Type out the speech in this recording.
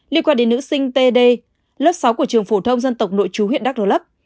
liên quan đến nữ sinh t d lớp sáu của trường phổ thông dân tộc nội trú huyện đắk lộ lấp